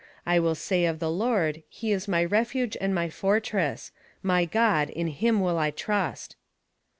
I will say of the Lord, He is my refuge and my fortress: my God; in him will I trust."